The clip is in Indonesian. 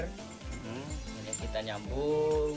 kemudian kita nyambung